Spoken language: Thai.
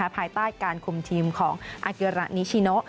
ภายใต้การคุมทีมของอาเกียระนิชิโน